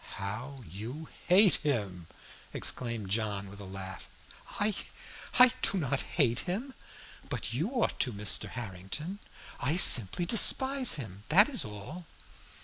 "How you hate him!" exclaimed John with a laugh. "I I do not hate him. But you ought to, Mr. Harrington. I simply despise him, that is all."